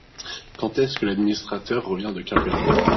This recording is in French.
Quand est-ce que l’administrateur revient de Quimperlé ?